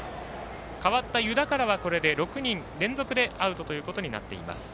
代わった湯田からは６人連続でアウトということになっています。